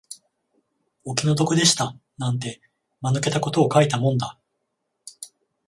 お気の毒でしたなんて、間抜けたことを書いたもんだ